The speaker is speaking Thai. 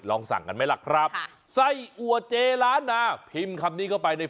ลองสั่งกันไหมล่ะครับไส้อัวเจล้านนาพิมพ์คำนี้เข้าไปใน